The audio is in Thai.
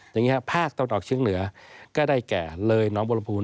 อย่างนี้ภาคตอนออกเชียงเหลือก็ได้แก่เรยน้องบรมภูมิ